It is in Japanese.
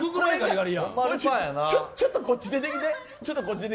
ちょっとこっち出てきて。